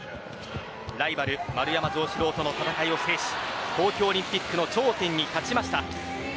ライバル丸山城志郎との戦いを制し東京オリンピックの頂点に立ちました。